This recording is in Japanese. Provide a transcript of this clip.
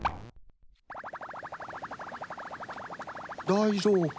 大丈夫。